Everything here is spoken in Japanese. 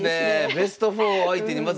ベスト４相手にまず３−０。